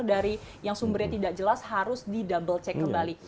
dari yang sumbernya tidak jelas harus di double check kembali